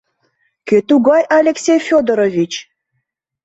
Кӧ тугай Алексей Федорович?